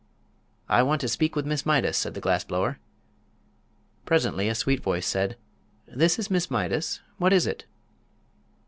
"I want to speak with Miss Mydas," said the glass blower. Presently a sweet voice said: "This is Miss Mydas. What is it?"